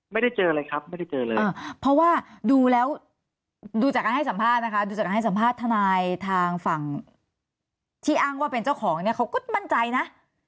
ไม่ได้เจอเลยครับไม่ได้เจอเลยเพราะว่าดูแล้วดูจากการให้สัมภาษณ์นะคะดูจากการให้สัมภาษณ์ทนายทางฝั่งที่อ้างว่าเป็นเจ้าของเนี่ยเขาก็มั่นใจนะ